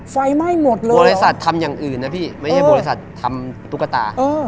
ไฟไหม้หมดเลยบริษัททำอย่างอื่นนะพี่ไม่ใช่บริษัททำตุ๊กตา